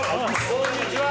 こんにちは